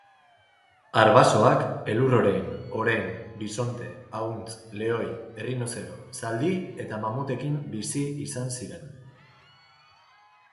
Arbasoak elur-orein, orein, bisonte, ahuntz, lehoi, errinozero, zaldi eta mamutekin bizi izan ziren.